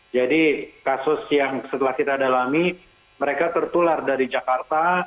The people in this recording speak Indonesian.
jadi kasus yang setelah kita dalami mereka tertular dari jakarta